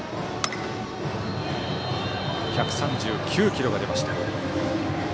１３９キロが出ました。